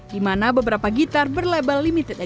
dimana beberapa gitar berlabel limited edition